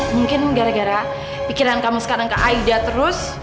mungkin gara gara pikiran kamu sekarang ke aida terus